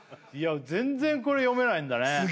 いや全然これ読めないんだね